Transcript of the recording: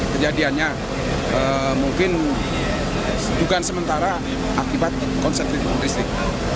kejadiannya mungkin dugaan sementara akibat konsentrisi listrik